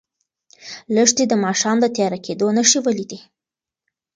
لښتې د ماښام د تیاره کېدو نښې ولیدې.